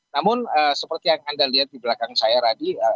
namun seperti yang anda lihat di belakang saya tadi